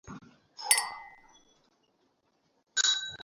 আরবী ভাষার আলোচনায় তিনি সার্থকভাবে অংশ নিতেন।